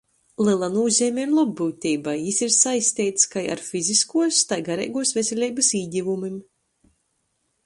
Lela nūzeime ir lobbyuteibai, jis ir saisteits kai ar fiziskuos, tai gareiguos veseleibys īgivumim.